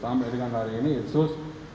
sampai dengan hari ini irsus